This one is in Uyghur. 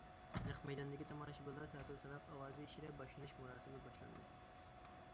نەق مەيداندىكى تاماشىبىنلارنىڭ تەتۈر ساناق ئاۋازى ئىچىدە، باشلىنىش مۇراسىمى باشلاندى.